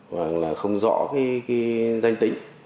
hoặc là không rõ danh tính